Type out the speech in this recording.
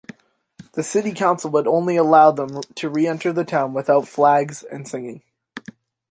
The city council would only allow them to re-enter town without flags and singing.